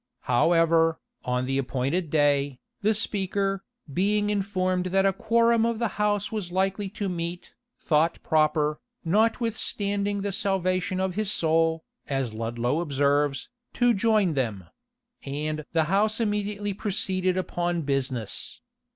However, on the appointed day, the speaker, being informed that a quorum of the house was likely to meet, thought proper, notwithstanding the salvation of his soul, as Ludlow observes, to join them; and the house immediately proceeded upon business.